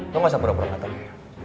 lo nggak usah pura pura nggak tau